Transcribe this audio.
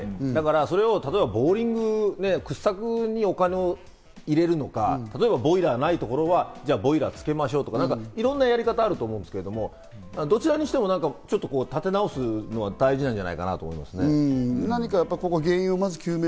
それをボーリング、掘削にお金を入れるのか、ボイラーがないところはボイラーをつけましょうとか、いろんなやり方があると思うんですけど、どちらにしても立て直すことが大事なんじゃないかと思いますね。